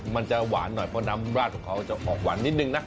มันจะหวานหน่อยเพราะน้ำราดของเขาจะออกหวานนิดนึงนะ